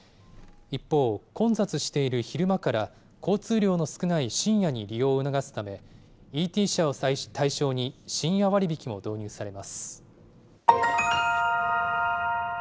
一方、混雑している昼間から、交通量の少ない深夜に利用を促すため、ＥＴＣ車を対象に深夜割引も導入されます。